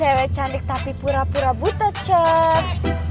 oke cewek cantik tapi pura pura buta cep